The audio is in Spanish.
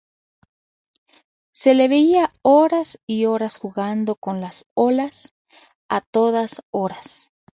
Se le veía horas y horas jugando con las olas, a todas horas.